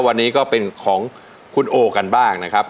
วันนี้ก็เป็นของคุณโอกันบ้างนะครับ